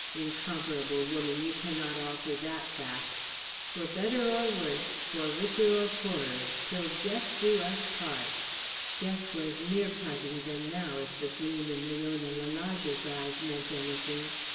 Incomparable woman, you cannot alter that fact. For better or worse, for richer or poorer, till death do us part!" Death was near parting them now if the gleam in Leona Lalage's eyes meant anything.